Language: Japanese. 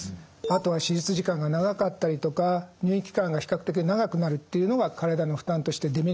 あとは手術時間が長かったりとか入院期間が比較的長くなるというのが体の負担としてデメリットになります。